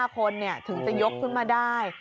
๕คนถึงจะยกขึ้นมาได้